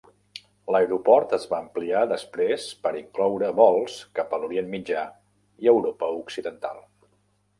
L'aeroport es va ampliar després per incloure vols cap a l'Orient Mitjà i Europa occidental.